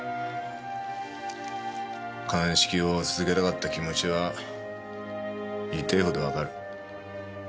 鑑識を続けたかった気持ちは痛えほどわかる。